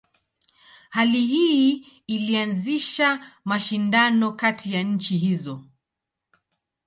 Hali hii ilianzisha mashindano kati ya nchi hizo.